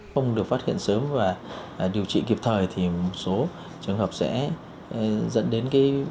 không được phát hiện sớm và điều trị kịp thời thì một số trường hợp sẽ dẫn đến cái